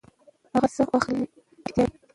هغه څه واخلئ چې اړتیا وي.